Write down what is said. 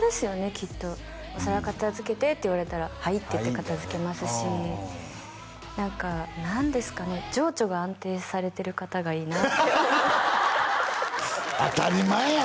きっと「お皿片づけて」って言われたら「はい」って言って片づけますし何か何ですかねがいいなって当たり前やん